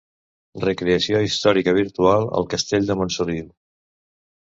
Recreació històrica virtual al Castell de Montsoriu.